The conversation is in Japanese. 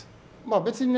別にね